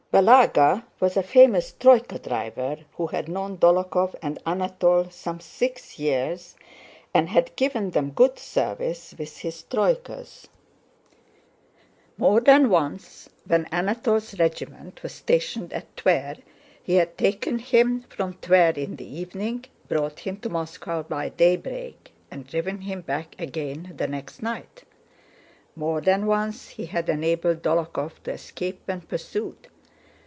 Balagá was a famous troyka driver who had known Dólokhov and Anatole some six years and had given them good service with his troykas. More than once when Anatole's regiment was stationed at Tver he had taken him from Tver in the evening, brought him to Moscow by daybreak, and driven him back again the next night. More than once he had enabled Dólokhov to escape when pursued.